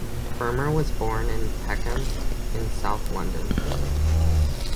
Fermor was born in Peckham in south London.